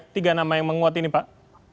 tiga nama yang menguat ini pak